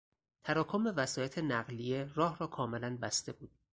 تراکم وسایط نقلیه راه را کاملا بسته بود.